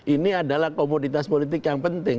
ini adalah komoditas politik yang penting